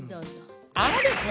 あのですね